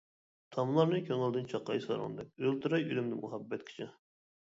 تاملارنى كۆڭۈلدىن چاقاي ساراڭدەك ئۆلتۈرەي ئۆلۈمنى مۇھەببەتكىچە.